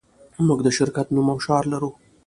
موږ د شرکت نوم او شعار لرو